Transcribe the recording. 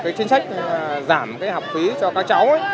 nếu ngân sách giảm cái học phí cho các cháu